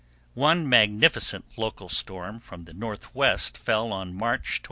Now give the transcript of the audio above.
One magnificent local storm from the northwest fell on March 21.